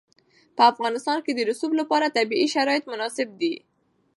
په افغانستان کې د رسوب لپاره طبیعي شرایط مناسب دي.